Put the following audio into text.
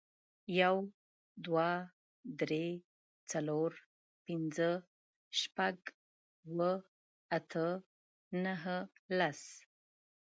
يو، دوه، درې، څلور، پينځه، شپږ، اووه، اته، نهه، لس